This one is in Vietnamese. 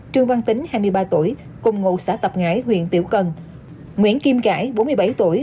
trương văn tính hai mươi ba tuổi cùng ngụ xã tập ngãi huyện tiểu cần nguyễn kim gãy bốn mươi bảy tuổi